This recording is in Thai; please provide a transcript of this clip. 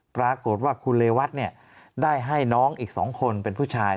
ปรากฏว่าสกุลเรวัตน์เนี่ยได้ให้น้องอีกสองคนเป็นผู้ชาย